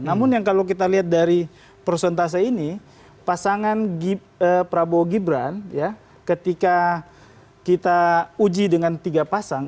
namun yang kalau kita lihat dari prosentase ini pasangan prabowo gibran ketika kita uji dengan tiga pasang